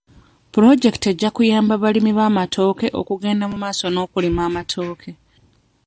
Pulojekiti ejja kuyamba abalimi b'amatooke okugenda mu maaso n'okulima amatooke.